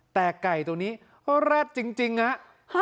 แต่ไก่ตัวนี้ก็แรดจริงฮะ